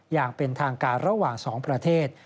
อย่างเป็นทางการระหว่าง๒ประเทศ